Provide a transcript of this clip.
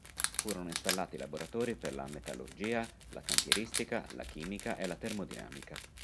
Furono installati laboratori per la metallurgia, la cantieristica, la chimica e la termodinamica.